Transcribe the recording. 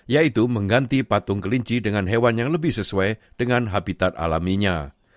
yaitu mengganti patung kelinci dengan hewan yang lebih sesuai dengan habitat alaminya